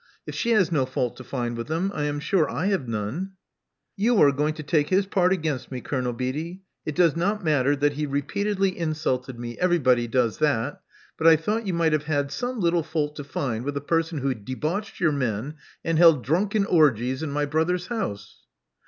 If she has no fault to find with him, I am sure I have none." You are going to take his part against me. Colonel Beatty. It does not matter that he repeatedly insulted me — everybody does that. But I thought you might have had some little fault to find with a person who debauched your men and held drunken orgies in my brother's house."